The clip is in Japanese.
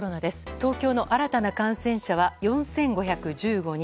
東京の新たな感染者は４５１５人。